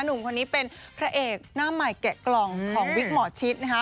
หนุ่มคนนี้เป็นพระเอกหน้าใหม่แกะกล่องของวิกหมอชิดนะคะ